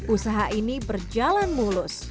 usaha ini berjalan mulus